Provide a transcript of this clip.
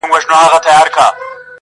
ته به پر ګرځې د وطن هره کوڅه به ستاوي٫